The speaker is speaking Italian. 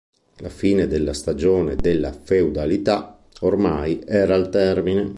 La fine della stagione della feudalità, ormai, era al termine.